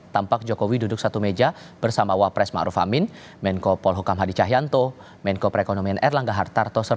tampak jokowi duduk satu meja bersama wapres ⁇ maruf ⁇ amin menko polhukam hadi cahyanto menko perekonomian erlangga hartarto